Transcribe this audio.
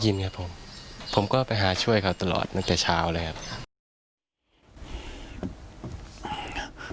ินครับผมผมก็ไปหาช่วยเขาตลอดตั้งแต่เช้าเลยครับ